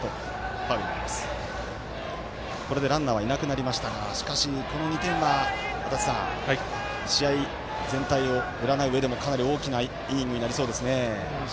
これでランナーはいなくなりましたがしかし、この２点は試合全体を占ううえでもかなり大きなイニングになりそうですね。